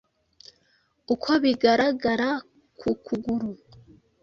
Uko bigaragara ku kuguru